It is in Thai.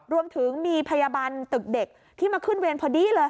รวมถึงมีพยาบาลตึกเด็กที่มาขึ้นเวรพอดีเลย